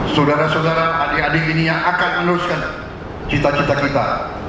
saudara saudara adik adik ini yang akan meneruskan cita cita kita